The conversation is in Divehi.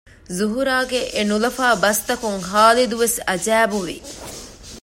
ޒުހުރާގެ އެނުލަފާ ބަސްތަކުން ހާލިދުވެސް އަޖައިބު ވި